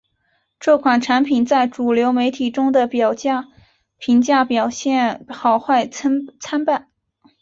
这款产品在主流媒体中的评价表现好坏参半。